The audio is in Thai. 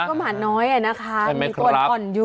ก็หมาน้อยอะนะคะมีคนอ่อนอยู่